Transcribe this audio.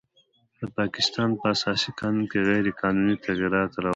د پاکستان په اساسي قانون کې غیر قانوني تغیر راوست